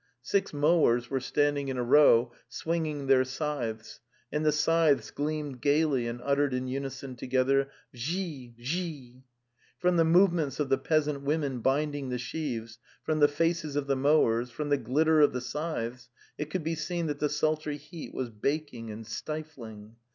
... Six mowers were standing in a row swinging their scythes, and the scythes gleamed gaily and uttered in unison together '' Vzhee, vzhee!" Frem' the movements of the peasant women binding the sheaves, from the faces of the mowers, from the glit ter of the scythes, it could be seen that the sultry heat was baking and stifling.